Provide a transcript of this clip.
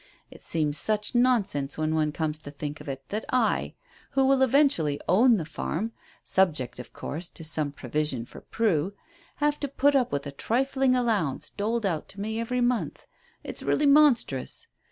It seems such nonsense, when one comes to think of it, that I, who will eventually own the farm, subject, of course, to some provision for Prue, have to put up with a trifling allowance doled out to me every month; it's really monstrous.